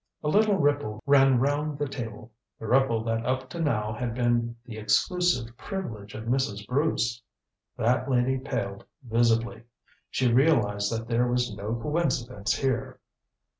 A little ripple ran round the table the ripple that up to now had been the exclusive privilege of Mrs. Bruce. That lady paled visibly. She realized that there was no coincidence here.